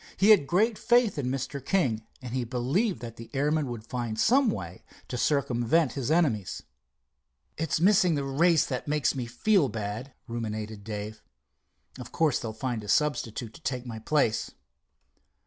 He had great faith in Mr. King, and he believed that the airman would find some way to circumvent his enemies. "It's missing the race that makes me feel bad," ruminated Dave. "Of course they'll find a substitute to take my place."